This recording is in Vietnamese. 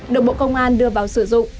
được bộ công an đưa vào sử dụng